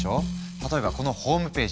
例えばこのホームページ。